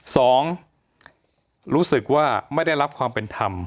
สองรู้สึกว่าไม่ได้รับความเป็นธรรม